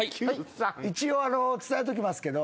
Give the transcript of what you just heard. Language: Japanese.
一応伝えときますけど。